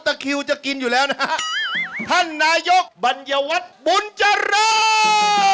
คิวจะกินอยู่แล้วนะฮะท่านนายกบัญญวัฒน์บุญเจริญ